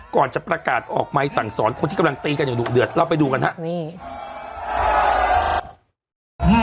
ก่อนจะประกาศออกใหม่สั่งสอนคนที่กำลังตีกันอย่างดุเดือดเราไปดูกันครับ